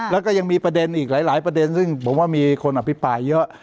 แล้วก็ยังมีประเด็นอีกหลายประเด็นซึ่งผมว่ามีคนอภิปรายเยอะ